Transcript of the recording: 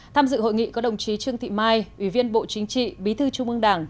tham dự hội nghị có đồng chí trương thị mai ủy viên bộ chính trị bí thư trung ương đảng